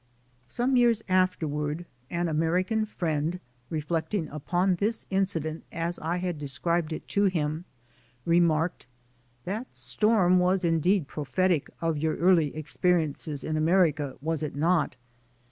Some years afterward an American friend, reflect ing upon this incident as I had described it to him, IN THE AMERICAN STORM 71 remarked "That storm was indeed prophetic of your early experiences in America, was it not?"